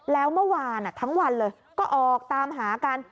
แล้วเมื่อวานทั้งวันเลยก็ออกตามหากัน